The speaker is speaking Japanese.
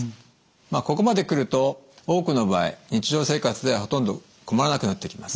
まあここまで来ると多くの場合日常生活ではほとんど困らなくなってきます。